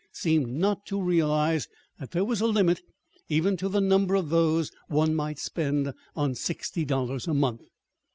seemed not to realize that there was a limit even to the number of those one might spend on sixty dollars a month.